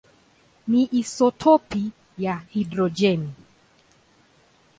ni isotopi ya hidrojeni.